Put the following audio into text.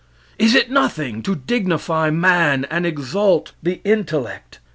Is it nothing to dignify man and exalt the intellect.